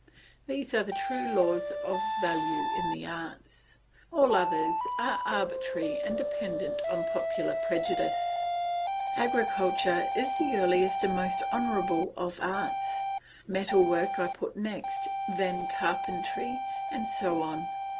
These are the true laws of value in the arts; all others are arbitrary and dependent on popular prejudice. Agriculture is the earliest and most honourable of arts; metal work I put next, then carpentry, and so on.